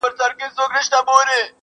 هم په غلاوو کي شریک یې څارنوال وو!!